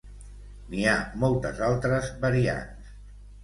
N'hi ha moltes altres variants.